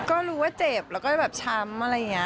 ก็รู้ว่าเจ็บแล้วก็แบบช้ำอะไรอย่างนี้